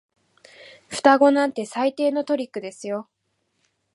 双子なんて最低のトリックですよ。